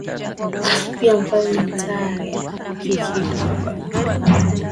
Pia mfalme ntare kiitabanyoro wa karagwe alipo zidiwa